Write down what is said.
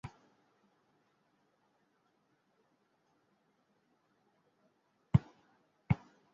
প্রাচীনকালের মিহি মসলিন কাপড়ের উত্তরাধিকারী হিসেবে জামদানি শাড়ি বাঙ্গালী নারীদের অতি পরিচিত।